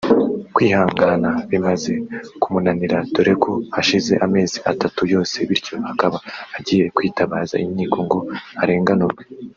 Kwihangana bimaze kumunanira dore ko hashize amezi atanu yose bityo akaba agiye kwitabaza inkiko ngo arenganurwe